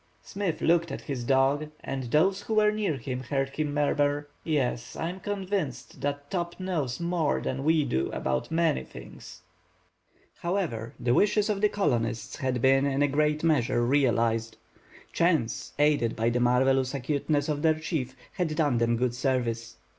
Smith looked at his dog, and those who were near him heard him murmur:— "Yes, I am convinced that Top knows more than we do about many things!" However, the wishes of the colonists had been in a great measure realized. Chance, aided by the marvelous acuteness of their chief, had done them good service.